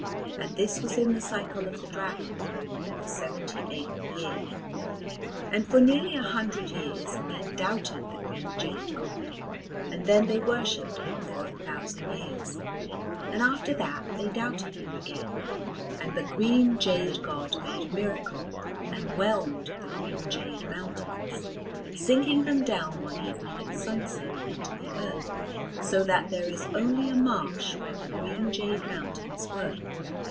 And this was in the cycle of the Dragon, the seventy eighth year. And for nearly a hundred years men doubted the green jade god, and then they worshipped him for a thousand years; and after that they doubted him again, and the green jade god made a miracle and whelmed the green jade mountains, sinking them down one evening at sunset into the earth so that there is only a marsh where the green jade mountains were.